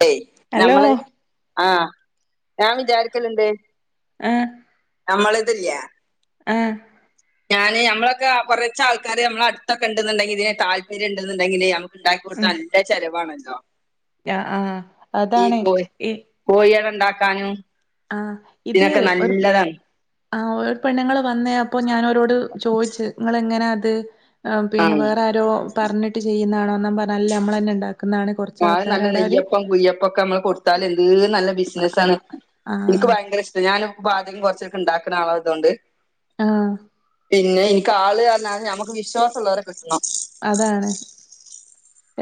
[unintelligible] Hello ഞമ്മള് ആഹ് ഞാൻ വിചാരികല്ണ്ട് ആഹ് നമ്മള്തില്ല്യ ആഹ് ഞാന് ഞമ്മളൊക്കെ കുറച്ച ആൾക്കാര് നമ്മള അടുത്തൊക്കെ ഉണ്ടന്നങ്കിൽ താല്പര്യ ഉണ്ടെന്നുണ്ടെങ്കില് ഇണ്ടായി കൊടുതാല്ല ചെലവാണ് ആഹ് ആഹ് അതാണെ ഈ പോയി അത്ണ്ടാക്കാനും ആഹ് ഇത് ഒരു ആഹ് ഒര് പെണ്ണുങ്ങള് വന്നേയപ്പൊ ഞാനോരോട് ചോയ്ച്ച് ങ്ങളെങ്ങനാ അത് ആഹ് പിന്നെവേറാരോ പറഞ്ഞിട്ട് ചെയ്യുന്നാണോ ന്നംപറല്ല നമ്മളന്നെ ഇണ്ടാക്കുന്നാണ് കൊറ ആദ്യം നല്ല നെയ്യപ്പം കുയ്യപ്പക്കെമ്മള് കൊടുത്താല് എന്ത് നല്ല ബിസിനസാണ് എനിക്ക് ആഹ് ഭയങ്കര ഇഷ്ട ഞാനും പാചകം കൊറച്ചക്കെണ്ടാക്കണാളായത്കൊണ്ട് ആഹ് പിന്നെ എനിക്ക് ആള് അർഞ്ഞാല് ഞമ്മക്ക് വിശ്വാസള്ളവരെ കിട്ടണം അതാണ്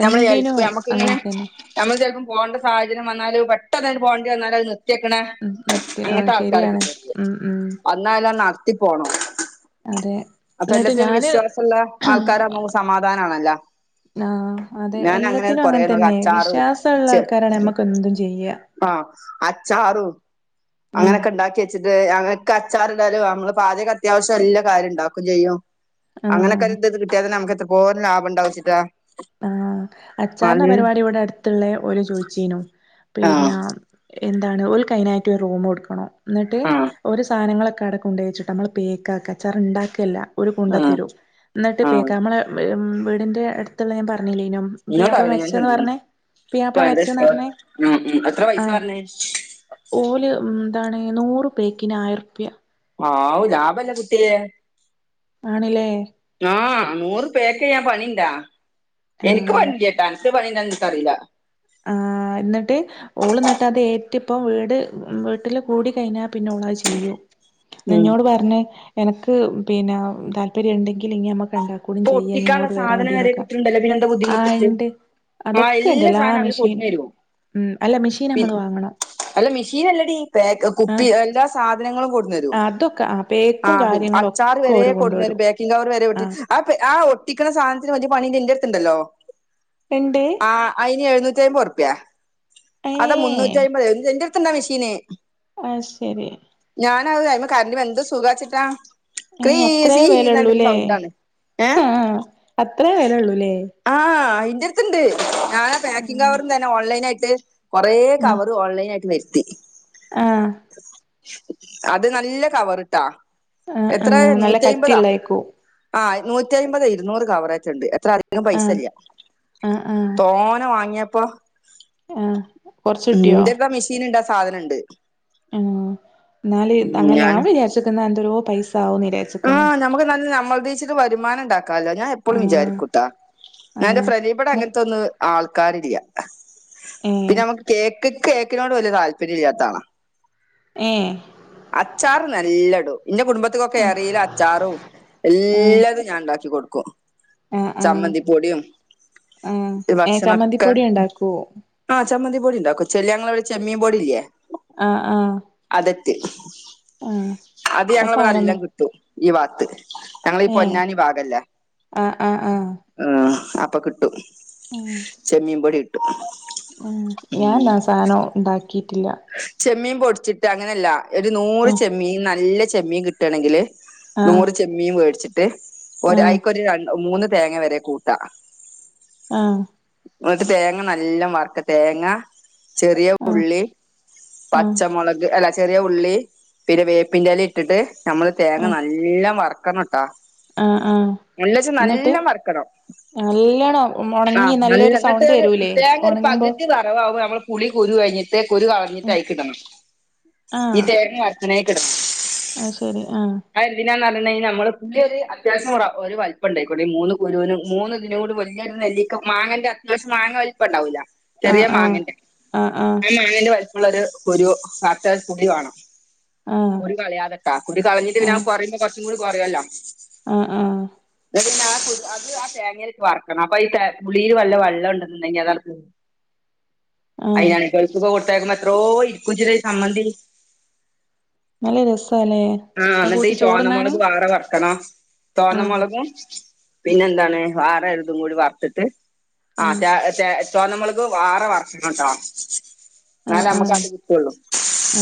ഞമ്മള് എന്തിനും [unintelligible] ഞമ്മക്ക്ങ്ങനെ അങ്ങനെ തന്നെ ഞമ്മള് ചെലപ്പോ പോവണ്ട സാഹചര്യം വന്നാല് പെട്ടെന്ന് പോവണ്ടി വന്നാലോ അത് ക്കണെ ഉം സത്യം ആഹ് അങ്ങൻത്താൾക്കാര ശരിയാണ് കിട്ടരുത് ഉം ഉം വന്നല്ലാ നടത്തി പോണം അതെ എന്നിട്ട് അപ്പെല്ലാത്തിനൊര് വിശ്വാസള്ള ഞാന് ആൾക്കാരാമ്പോ സമാധാനാണല്ല ആഹ് അതെ എല്ലത്തിനും അങ്ങൻ കൊറേ നോക്കി തന്നെ അച്ചാറും ചെ വിശ്വാസള്ളാൾക്കാരാണേ നമ്മക്ക് എന്തും ചെയ്യാ ആഹ് അച്ചാറു ആഹ് അങ്ങനക്കെ ഉണ്ടാക്കിയ കുറച്ച്ട്ട് ഞങ്ങക്കച്ചാറ്ടാനും അമ്മള് പാചകം അത്യാവശ്യം എല്ലാ കാര്യണ്ടാക്കും ചെയ്യും ആഹ് അങ്ങനെക്കെരിത് ഇത് കിട്ടിയാലും നമുക്ക ഇത് പോലെ ലാഭണ്ടാവച്ചിട്ടാ ആഹ് അച്ചാറിന്റെ പരിപാടി ഇവിടടുത്തുള്ളെ ഓര് ചോയ്ച്ചീനു പിന്നെ എന്താണ് ഓൽക്കയ്നായിട്ടൊറൂമൊടുക്കണം ന്നിട്ട് ആഹ് ഓര് സാനങ്ങളൊക്കെ ആടെ കൊണ്ടോയിട്ട് ട്ടമ്മള് പേക്കാക്കച്ചാറ്ണ്ടാക്കല്ല ഓര് ആഹ് കൊണ്ടത്തരു ന്നിട്ട് ആഹ് പേക്കാമ്മള് വേം വീടിൻ്റെ അടുത്തൊള്ള ഞാൻ പറഞ്ഞില്ലേയ്നും ഇന്നോട് പുയാപ്ല അറിയില്ല ഞാൻ മരിച്ചെന്ന് ചൊല്ലിനു പറഞ്ഞേ ഇപ്പൊ പുയാപ്ല മരിച്ചെന്ന് എന്താ പറഞ്ഞെ ഉം ഉം എത്ര പൈസ ആഹ് പറഞ്ഞ് ഓല് മ് ന്താണ് നൂറ് പേക്ക്ന് ആയിരം റുപ്യ ആവു ലാഭല്ലേ കുട്ട്യേ ആണ്ല്ലേ ആഹ് നൂറ് പേക്കെയാ പണീണ്ടാ എനിക്ക് ആഹ് പണി ചേട്ടാ ക്ക്പണീണ്ടോന് നിക്കറീല്ല ആഹ് ന്നിട്ട് ഓള്ന്നിട്ടത് എ ട്ടിപ്പ വീട് വീട്ടില് കൂടി കയ്ഞ്ഞാ പിന്നോളത് ചെയ്യൂ ഉം എന്നോട് പറഞ്ഞ് എനക്ക് പിന്നെ താല്പര്യണ്ടെങ്കില് ഇനി അമ്മക്ക്ണ്ടാക്കാം ഇപ്പൊ ഒട്ടിക്കാള്ള സാധനം വരെ കിട്ട്ണ് ണ്ടല്ലോ പിന്നെന്താ ആഹ് ബുദ്ധിമുട്ട് ഇണ്ട് ആഹ് അതൊക്കെ ഇണ്ട് എല്ലാ സാധനം അവര് പൊതിഞ്ഞ് മെഷീനും തരുവോ ഉം അല്ല മെഷീനമ്മള് വാങ്ങണം അല്ല മെഷീനല്ലടി പാക്ക് കുപ്പി ആഹ് എല്ലാ സാധനങ്ങളും കൊട്ന്നരും അതൊക്കെ പേക്കും ആഹ് കാര്യങ്ങളും അച്ചാർ ഒക്കെ വരേ ഓര് കൊണ്ട് വരും കൊണ്ടുവരും പാക്കിങ് കവർ വരേ വേ ആഹ് അത് ആഹ് ഒട്ടിക്കണ സാധനത്തിന് വല്യ പണി എന്റെടുത്തുണ്ടല്ലോ എണ്ട് ആഹ് അയിന് എഴുന്നൂറ്റി അമ്പത് ഉറുപ്പ്യാ അതാ ഏഹ് മുന്നൂറ്റി അമ്പത് എന്റെ അടുത്ത്ണ്ടാ മെഷീന് ആഹ് ശരി ഞാൻ അത് ആയിമ്മേ എന്ത് സുഖവേച്ചിട്ടാ ഹേ അത്രേ വെലള്ളൂല്ലേ ഏഹ് ആ അത്രേ വെലള്ളൂല്ലേ ആഹ് ഇന്റെടുത്ത്ണ്ട് ഞാനെ പാക്കിങ് കവർന്ന് ആഹ് തന്നെ ഓൺലൈൻനായിട്ട് കൊറെ കവറ് ഓൺലൈൻ ആയിട്ട് വെര്ത്തി ആഹ് അത് നല്ല കവർ ഇട്ടാ ആഹ് എത്ര ആഹ് നല്ല നൂറ്റി ഴ്മ്പതാ കട്ടിയുള്ളേക്കൂ ആഹ നൂറ്റ അമ്പത് ഇരുന്നൂറ് കവർഏറ്റണ്ട് എത്ര ആഹ് പൈസല്ല ആഹ് ആഹ് തോനെ വാങ്ങിയപ്പോ ആഹ് കൊറച്ച് കിട്ടിയോ ഇന്റെപ്പ മെഷീൻ ഇണ്ട സാധനംണ്ട് ഉം ന്നാല് തങ്ങനെ ഞാൻ വിചാരിച്ചക്ക്ന്നങ്ങനത്തോരെ പൈസ ആവൂന്ന് ആ വിചാരിച്ചേക്കുന്ന് നമ്മുക്ക് നല്ല നമ്മള് ദ്ദേച്ച് വരുമാനം ഉണ്ടാക്കാല്ലോ ഞാൻ എപ്പോഴും ആഹ് വിചാരിക്കൂട്ടാ ഞാൻ എന്റെ ആഹ് ഫ്രണ്ട് ഇവിടെ അങ്ങനത്തെന്ന് ആൾക്കാരില്ല ഏഹ് പിന്നെ നമുക്ക് കേക്ക് കേക്കിനോട് വലിയ താല്പര്യം ഇല്ലാത്താള്ള ഏഹ് അച്ചാറ് നല്ലടും ഇന്റെ കുടുംബത്തിക്കൊക്കെ കറിയില അച്ചാറും ആഹ് എല്ലതും ഞാൻ ഇണ്ടാക്കി കൊട്ക്കും ആഹ് ആഹ് ചമ്മന്തിപ്പൊടിയും ആഹ് ഏഹ് ഭക്ഷണക്കെ ചമ്മന്തിപ്പൊടി ഉണ്ടാക്കോ ആ ചമ്മന്തി പൊടിണ്ടാക്കും ച്ചെല് ഞങ്ങവിടെ ചമ്മീൻ പൊടില്ലേ ആഹ് ആഹ അതറ്റ് അത് ആ ഞങ്ങളവിടെ സാധനൊന്നും എല്ലം കിട്ടും ഈ വാത്ത് ഞങ്ങളീ ഏഹ് പൊന്നാനി ഭാഗല്ലേ ആഹ് ആഹ് ആഹ് ആഹ് അപ്പ കിട്ടു ഉം ചെമ്മീൻ പൊടി കിട്ടു ഉം ഞാൻ എന്ന സാനം ഉണ്ടാക്കിട്ടില്ല ചെമ്മീൻ പൊടിച്ചിട്ട് അങ്ങനെയല്ല ഒരു നൂറ് ആഹ് ചെമ്മീൻ നല്ല ചെമ്മീൻ കിട്ടും ണെങ്കിൽ ആഹ് നൂറ് ചെമ്മീൻ വേടിച്ചിട്ട് ആഹ് അക്ക് മൂന്ന് തേങ്ങ വരെ കൂട്ടാ ആഹ് ഇന്നട്ട് തേങ്ങ നല്ല വർക്ക തേങ്ങ ചെറിയ ഉള്ളി ആഹ് പച്ചമുളക് അല്ല ചെറിയ ഉള്ളി പിന്നെ വേപ്പിന്റെല ഇട്ടിട്ട് നമ്മള് തേങ്ങ ആഹ് നല്ല ല്ലാം വർക്കണംട്ടാ ആഹ് ആഹ് എല്ലച്ച് എന്നിട്ട് നല്ല വർക്കണം നല്ലോണം ഒണങ്ങി ആഹ് നല്ലൊരു നല്ലങ്ങട്ട് സൗണ്ട് വരൂലേ തോങ്ങ ഒരു ഒണങ്ങുമ്പോ പകുതി വർ വേവ് അവുംമ്പള് നമ്മൾ പുളി കുരു കഴിഞ്ഞിട് കളഞ്ഞിട്ട് ഒരു ഉം അയിക്കിടണോ ആഹ് തോങ്ങവർക്കിണേ ക്കിടണോ അത് ശരി ആഹ് ആഹ്എന്തിനാ പറഞ്ഞിണങ്കിൽ നമ്മള് പുതിയൊരു അത്യാശ്യം ഒരു വല്പ്പം ഇണ്ടായിക്കട്ട ഇ മൂന്ന് കുരുന്ന് മൂന്ന് ഇതിനുടും ഒരു നെല്ലിക്ക മാങ്ങന്റെ അത്യാശ്യ മാങ്ങ വലപ്പംണ്ടാവൂല ആഹ് ആഹ ആഹ ആഹ മാങ്ങന്റെ വലുപ്പള്ള ഒരു കുരു കൂടി [unintelligible] വേണം ആഹ് കുരു കളയാതെട്ടാ കുരു കളഞ്ഞിട്ട് ആഹ് പിന്നെ ആഹ് കുറയുമ്പോ കുറച്ചും കൂടി കുറയല്ലോ ആഹ് ആഹ അല്ലെ പിന്നെ ആ അത് ആ തേങ്ങൊലിട്ട് വറക്കണം അ ഈ പുളിയിൽ വല്ല വെള്ളം ഉണ്ടെങ്കിൽ അതങ്ങ് പോവും [inaudible] ആഹ് അയിനാണ് ഗൾഫ്ക്കെക്കെ കൊടുത്തക്കുമ്പോ എത്രോ ഇരിക്കും ചിലെ സമ്മന്തി നല്ല രസാല്ലേ ആഹ അത് ഇന്നട്ട് ഈ കൂട്ടി ചോറ്ന്നാന് ചോന്നമുളക് വേറെ വർക്കണോ ചോന്ന ആഹ് മുളകും പിന്നെ എന്താണ് വാറെ ഒര്തും കൂടി വർത്തിട്ട് ആഹ് തേ തേ ചോന്ന മുളക്ക് വാറെ വർക്കണംട്ടോ ഇന്നാല് ആഹ് നമ്മുക്ക് ആഹ് അത് കിട്ടുള്ളൂ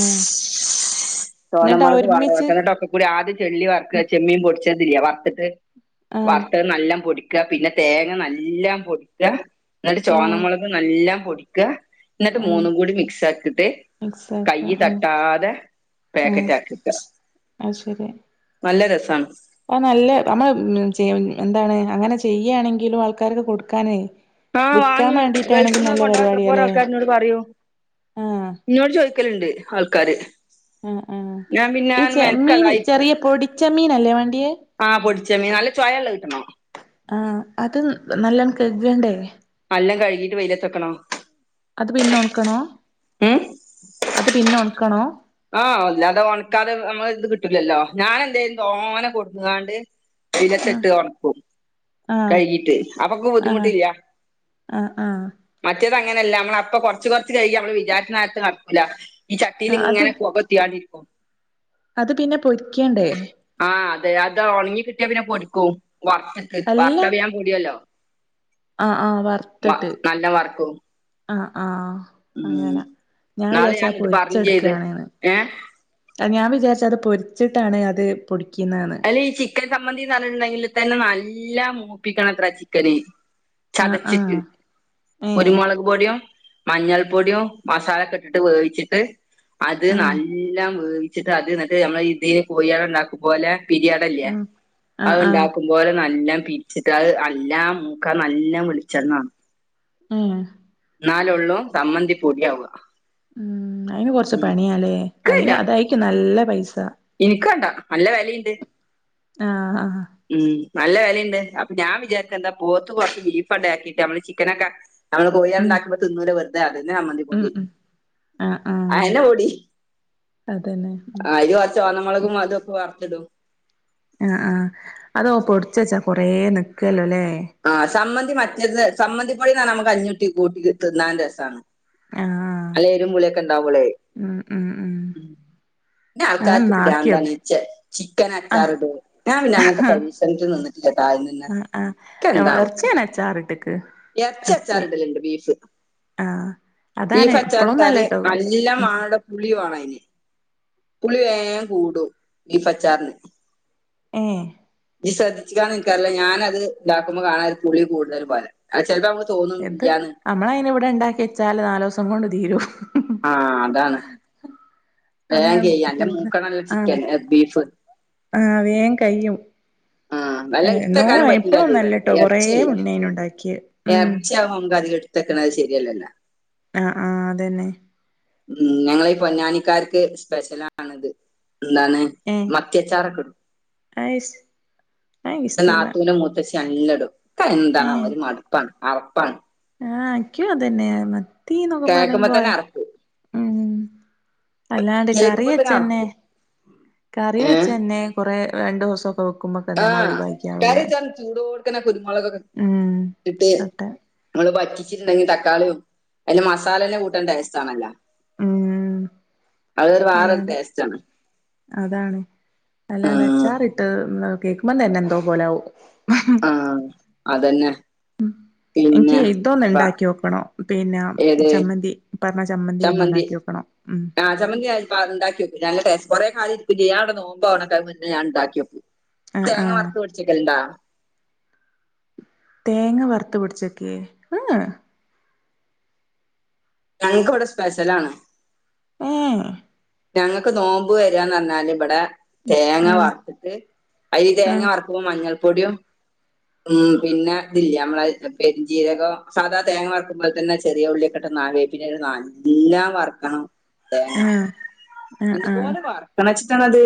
ആഹ് ചോന്ന എന്നിട്ട് മുളക്ക് വാറെ ഒരുമിച്ച് വർക്കണംട്ടോ കൂടി ആദ്യ ചെള്ളി വർക്ക ചെമ്മീൻ പൊടിച്ചേചെയ്യ വറുത്തിട്ട് ആഹ് വറുത്തത് നല്ലാംപൊടി ക്ക പിന്നെ തേങ്ങ നല്ല പൊടിക്ക ന്നിട്ട് ആഹ് ചോന്നമുളക് നല്ലാം പൊടിക്ക ന്നിട്ട് ആഹ് മൂന്നും കൂടി മിക്സ് ആക്കിട്ട് മിക്സാക്ക കയ്യ് ആഹ് തട്ടാതെ ആഹ് പാക്കറ്റ് ആക്കിക്ക അത് ശരി നല്ല രസണ്. ആഹ് നല്ല നമ്മൾ ചെ എന്താണ് അങ്ങനെ ചെയ്യാണെങ്കിലും ആൾക്കാർക്ക് കൊടുക്കാനെ ആഹ് വാങ്ങും ഗൾഫിൽന്ന് കൊണ്ട കൻഎത്ര പോര പരിപാടിയാല്ലേ ആൾക്കാര് ഇന്നോട് പറയും. ആഹ് ഇന്നോട് ചോദിക്കലുണ്ട് ആൾക്കാര്. ഉം ഉം ഞാൻ പിന്നെ ഈ ചെമ്മീൻ മെനക്കടായിരിക്കാണ് ചെറിയ പൊടിചെമ്മീനല്ലേ വണ്ടിയേ ആഹ് പൊടിച്ച മീൻ നല്ല ചോയ ഉള്ള കിട്ടണ ആഹ് അത് നല്ലണം കഗണ്ടേ നല്ല കഴുകിയിട്ട് വെയിലത്തക്കണം അത് പിന്നെ ഒണക്കണോ എഹ് അത് പിന്നെ ഉണക്കണോ ആഹ് അല്ലാതെ ഉണക്കാതെ നമ്മ ഇത് കിട്ടൂലല്ലോ ഞാൻ എന്തായും തോനെ കൊടുന്ന്ങ്ങാണ്ട്. ആഹ് വെയിലത്തിട്ട് ഒണക്കും. ആഹ് കഴുകിട്ടേ അപ്പൊക്ക് ആഹ് ബുദ്ധിമുട്ടില്ല. ആഹ് ആഹ് മറ്റേത് അങ്ങനല്ല മ്മള് അപ്പൊ കൊറച്ച് കൊറച്ച് കഴികി നമ്മള് വിചാരിച്ച നേരത്ത് നടക്കൂല്ല. ഈ ചട്ടിൽ ആഹ് അത് ഇങ്ങനെ പോകത്തിണ്ടിരിക്കും അത് പിന്നെ പൊരിക്കണ്ടേ ആഹ് അതെ അത് ഒണങ്ങി കിട്ടിയ പിന്നെ പൊടുക്കും വറത്തക്ക് അല്ല വറുത്തപ ഞാൻ പൊടിയല്ലോ ആഹ് ആഹ് വ വറുത്തിട്ട് നല്ല വർക്കും ആഹ് ആഹ് ഉം അങ്ങനാ ഞാൻ ഇന്നാള് വിചാരിച്ച് ആഹ് ന്നിട്ട് പറഞ്ഞും ചെയ്ത് പൊരിച്ചെടുക്കയാണെന്ന് ഏഹ് അ ഞാൻ വിചാരിച്ച അത് പൊരിച്ചിട്ടാണ് അത് പൊടിക്കുന്നെന്ന് അല്ല ഈ ചിക്കൻ സംമന്തിന്ന് പറഞ്ഞിട്ടുണ്ടെങ്കിൽ ഇതന്നെ നല്ല മൂപ്പിക്കണം ത്ര ചിക്കന്. ആഹ് ചതച്ചിട്ട് ആഹ് ഏഹ് കുരുമുളക് പൊടിയും മഞ്ഞൾ പൊടിയും മസാല ഒക്കെ ഇട്ടിട്ട് വേവിച്ചിട്ട്. അത് ആഹ് നല്ല വേവിച്ചിട്ട് അത് ന്നിട്ട് നമ്മളെ ഇതി കോഴിട ഉണ്ടാക്കും പോലെ. പിരിയടല്ലേ ആഹ് ആഹ് അത്ണ്ട ആഹ് പോലെ നല്ല പിരിച്ചിട്ട് അത് നല്ലാം മൂക്കാ നല്ല വെളിച്ചെണ്ണ വേണം ആഹ് എന്നാല ഉള്ളൂ സമ്മന്തി പൊടിയാവ. ഉം അയിന് കൊറച്ച് പണിയാലേ അയിന് അതായിരിക്കും നല്ല പൈസ. എനിക്ക് കണ്ട നല്ല വിലയുണ്ട്. ആഹ് ആഹ് ഉം നല്ല വിലയുണ്ട് അപ്പൊ ഞാൻ വിചാരിച്ച് എന്താ പോത്ത് കോറച് ബീഫ് ഉണ്ടയാക്കിട്ട് നമ്മള് ചിക്കനൊക്കെ നമ്മള് കോഴിഅട ഉം ണ്ടാക്കുമ്പോ തിന്നൂല് വെറുതെ അതന്നെ സമ്മതി ഉം പൊടി ഉം ആഹ് ആഹ് അയന്നെ പൊടി. അതന്നെ ഉം അയില് കുറച്ച് ചുവന്ന മുളകും അതൊക്കെ വർത്തിടും. ആഹ് ആഹ് അതോ പൊടിച്ചച്ചാ കൊറെ നിക്കോല്ലോ അല്ലേ ആഹ് സമ്മന്തി മറ്റേത് സമ്മന്തി പൊടി നമ്മുക്ക് കഞ്ഞൂട്ടി കൂട്ടിതിന്നാന് രസാണ്. ആഹ് നല്ലരും പുളിയൊക്കെ ഇണ്ടാവുംപളേ ഉം ഉം ഉം പിന്നെ ആൾക്കാർക്ക് അങ്ങനൊന്ന് ആക്കിയോ പിരന്താണ് ച്ചേ ചിക്കൻ ആഹ് അച്ചാർടും ഞാൻ പിന്നെ അങ്ങനത്തെ പരീക്ഷ നിന്നിട്ടില്ല ആദ്യം തന്നെ ആഹ് ക്ക് ആഹ് എന്താവും എറച്ചി ഞാൻ അച്ചാറിട്ട്ക്ക് എറച്ചി അചാർ ഇടലുണ്ട് ബീഫ്. ആഹ് അതാണ് ബിഫ് അച്ചാറ് ടല് ഇപ്പളൊന്നല്ലട്ടോ ഉം നലംമണടോ പുളി വേണം അതിന് പുളി വേ കൂടും ബിഫ്ച്ചാറിന്. ആഹ് ശ്രദ്ധിച്ചിക്കാണ് നിനിക്കാറില്ല ഞാന് അത് ഇതാക്കുമ്പോൾ കാണാൻ പുള്ളി കൂടുതൽ പലോ ചോലപ്പം നമുക്ക് തോന്നും ഇലന്ന്. നമ്മള അതിന് ഇവിടെ ഉണ്ടാക്കി വെച്ചാല് നാല് ദിവസം കൊണ്ട് തീരും. ആഹ് അതാണ്. [inaudible] വേഗം ക്യയ എന്റെ കൂടു മൂക്കണല്ല ആ ചിക്കൻ ബീഫ് ആ വേ കയും. ആ നല്ല എടുത്തക്കാനും പറ്റില്ല അത് എപ്പഴൊന്നല്ലട്ടോ കൊറേ ഇറച്ചല്ലേ മുന്നേനു ഉണ്ടാക്കിയത് ഉം ഇറച്ചയാകമ അത് തെക്കണ അത് ശരിയല്ലാല്ലോ ആ ആ അതന്നെ, ഉം ഞങ്ങളീ പൊന്നാനിക്കാർക്ക് സ്പെഷ്യല ആണത് എന്താണ്? ഏ മത്യാച്ചാറൊക്കെടും അത് ഇഷ് അത് ഇഷ്ടല്ല നാത്തുവിന മു പക്ഷെ ല്ലടുംക്ക് എന്താണ് ഒരു മടുപ്പാണ് അറപ്പാണ്. ആഹ് ഇനിക്കോ അതന്നെയ മത്തി എന്നൊക്കെ കേൾക്കുമ്പോ പറയുമ്പോ അത് തന്നെ അറപ്പ് അല്ലാണ്ട് കറി കേൾക്കുമ്പോ തന്നെ വെച്ചന്നെ അറപ്പ് കറി ഏഹ് വെച്ചന്നെ കൊറ രണ്ടു ദിവസംക്കെ ആഹ് കറി ച്ചാൻ ചൂട് കൊടുക്കനെ കുരുമുളകക്കെ ഉം ഇട്ട് അട്ടെ നമ്മള് പറ്റിച്ചിട്ടുണ്ടെങ്കി തക്കാളിയും അതി മസാല തന്നെ കൂട്ടാൻ ടേസ്റ്റ് ആണല്ലോ ഉം അതൊരു വേറെ അല്ലാണ്ട് ടേസ്റ്റ് ആണ് അതാണ് ആ അല്ലാണ്ട് അച്ചാറി ഉം ആ കേൾക്കുമ്പോതന്നെ എന്തോ പോലെകും. ആ അതന്നെ ഉം എനിക്ക് പിന്നെ ഇതൊന്ന് പ- ഉണ്ടാക്കി വോക്കണോ പിന്നെ ഏത് ചമ്മന്തി. പറഞ്ഞ ചമ്മന്തി ഒന്നും ഉണ്ടാക്കി വെക്കണം ഉം ആ ചമ്മന്തി ഉണ്ടാക്കിക്കുഞല്ല ടെസ്സ കൊറെ കാര് ഇ ചെയ്യാന നോപോ അവണ മുന്നേ ഞാൻ ഉണ്ടാക്കിക്കും. ആഹ് തേങ്ങ ആഹ് വറുത്ത പിടിച്ചക്കണ്ടോ? തേങ്ങ വറുത്തു പിടിച്ചൊക്കേ എഹ് ഞങ്ങൾക്ക്വിടെ സ്പെഷ്യല ആണ്. ഏഹ് ഞങ്ങക്ക് നോമ്പ് വരന്ന് പറഞ്ഞാൽ ഇവിടെ തേങ്ങ ഏഹ് ആഹ് വറത്തിട്ട് അരി തേങ്ങ ആഹ് വറത്തി് കും മഞ്ഞൾപ്പൊടിയോ. ഉം പിന്നെ ഇതില്ലേ നമ്മള ഉം പെരഞ്ജീരകം സാധാ തേങ്ങ വറക്കുമ്പോെ തന്നെ ചെറിയ ഉള്ളിയൊക്കെട്ട്ന്നവേും പിന്നെ നല്ല വറക്കണം തേങ്ങ. ആഹ് ആഹ് ആഹ് എതുപോലെ വർക്കണച്ചിട്ടാണ അത്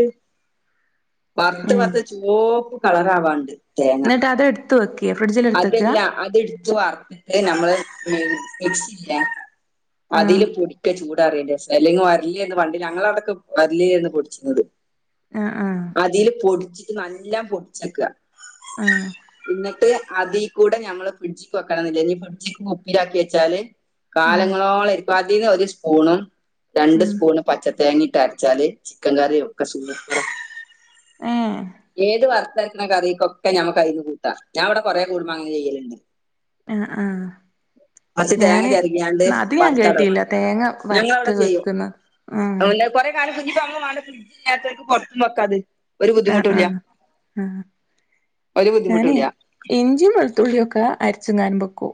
വറുത്ത് ഏഹ് വറത്ത് ചോപ്പ് കളറ ആവാണ്ട് തേങ്ങ എന്നിട്ട് അത് എടുത്ത് വെക്കേ ഫ്രിഡ്ജിൽ എടുത്ത് വെക്കാ അതെല്ല അത് ഇട് വറട്ട് നമ്മള് മിക് [unintelligible] അതിൽ ആഹ് പൊടിക്ക അന്ത അറയില്ലേ അല്ലെങ്കും വരലിന്ന് വണ്ടി ഞങ്ങള അടക്കക്ക് ഒരലിന്ന് പൊടിച്ചുന്നത്. ആ ആഹ് അതില് പൊടിച്ചിട്ട് നല്ലാം പൊടിച്ചക്ക. ആഹ് എന്നിട്ട് അതിൽ കൂടെ ഞമ്മള് ഫ്രിഡ്ജക്ക് വെക്കണം എന്നില്ല ഇനി ഫ്രിഡ്ജിക്ക് ഉപ്പിലാക്കി വെച്ചാല്. ഉം കാലങ്ങളോളോം ഇരിക്കും അതിന്ന് ഒരു സ്പൂണും രണ്ട് ഉം സ്പൂണും പച്ച തേങ്ങിട്ട് അരച്ചാല് ചിക്കൻ കറി ഒക്കെ സൂപ്പറാ. ആഹ്. ഏത് വറുത്തരക്കുന്ന കറക്കൊക്കെ നമ്മു ക അയിന്ന് കൂട്ടാം ഞാൻ ഇവിടെ കുടുംബം അങ്ങനെ ചെയ്യലുണ്ട്. ആ ആഹ്. കുറച്ച് തേങ്ങ ഞാന് ചരുകിയാണ്ട് അത് ഞാൻ വറുത്തട കേട്ടില്ല വെക്കും തേങ്ങ വറുത്ത് ഞങ്ങളവിടെ ചെയ്യും വെക്കുന്ന ആ. [unintelligible] ഫ്രിഡ്ജ് ഇല്ലാത്തോർക്ക് പുറത്തും വെക്കാതെ ഒരു ആഹ് ബുദ്ധിമുട്ട് ട്ടുല്ല ആഹ് ആഹ് ഒരു ബുദ്ധിമുട്ടുല്ല. ഇഞ്ചി വെളുത്തുള്ളിയൊക്കെ അരച്ചുങ്ങാനും വെക്കും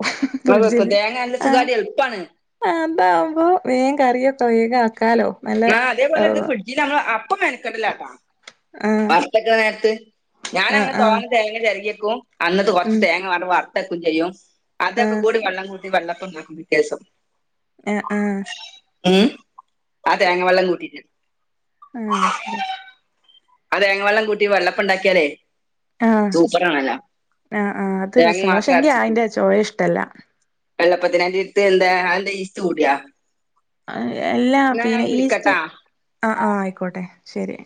നമ്മൾ വെക്കും ഫ്രിഡ്ജില് തേങ്ങ നല്ല ആ. സുഖമായിട്ട് എളുപ്പമാണ് ആ അതാവുമ്പോ മീൻ കറിയൊക്കെ വേഗം ആക്കാലോ. നല്ല ആ അതേപോലെ ഇത് ആഹ് ഫ്രിഡ്ജിലാണ് അപ്പം മെനക്കട്ലാട്ടാ. ആഹ് വറത്തക്ക നേരത്ത് ഞാന ആഹ് അങ്ങനെ ആഹ് തോന തേങ്ങ ചെരകിയേക്കും അന്നത്ത് കൊറച്ച് ഉം തേങ്ങ ങ്ങാട്ട് വറുത്തക്കും ചെയ്യും അതൊക്കെ ആഹ് കൂടി വള്ളം കൂട്ടി വെള്ളപ്പണ്ടാക്കും പിറ്റേസം എഹ് ആഹ് ഉം.. ആ തേങ്ങ വെള്ളം കൂട്ടിട്ട് ആഹ് ശരി ആ തേങ്ങ വെള്ളം കൂട്ടി വെള്ളപ്പംണ്ടാക്കിയാലേ ആഹ് ആഹ് ആഹ് അത് തേങ്ങ രസാണ് മാത്രം പക്ഷെങ്കി അരച്ചിട്ട് അയിന്റെ ചൊവ ഇഷ്ട്ടല്ല വെള്ളപ്പത്തിന് അയിൻ്റെ ഇടുത്ത് എന്താ അതെന്താ ഇസ്റ്റ് കൂടിയാ എല്ലാ എന്നാ ഞാൻ പിന്നെ ഈസ്റ്റ് വിളിക്കട്ടാ ആഹ് ആഹ് ആയിക്കോട്ടെ ശരി